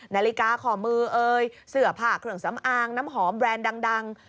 นาฬิกาขอมือเอ่ยเสื้อผ้าเครื่องสำอางน้ำหอมแบรนด์ดัง